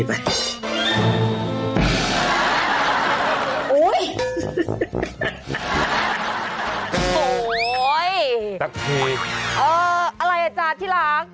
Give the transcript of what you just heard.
เอ่ออะไรอ่ะจ๊ะที่รัก